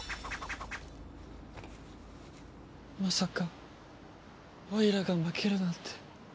まさかオイラが負けるなんて。